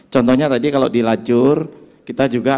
contohnya tadi kalau dilacur kita juga